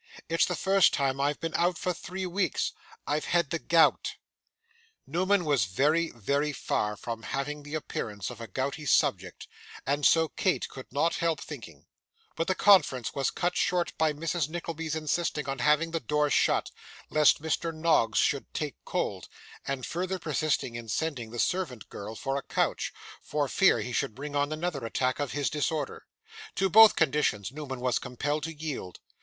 'It's the first time I've been out for three weeks. I've had the gout.' Newman was very, very far from having the appearance of a gouty subject, and so Kate could not help thinking; but the conference was cut short by Mrs. Nickleby's insisting on having the door shut, lest Mr. Noggs should take cold, and further persisting in sending the servant girl for a coach, for fear he should bring on another attack of his disorder. To both conditions, Newman was compelled to yield.